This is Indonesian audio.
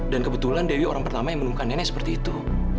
dan kebetulan dewi orang pertama yang bunuh nenek seperti itu